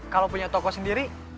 kalau punya toko sendiri